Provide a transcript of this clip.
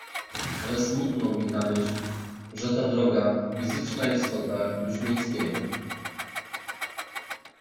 "Ale smutno mi na myśl, że ta droga, fizyczna istota już nie istnieje."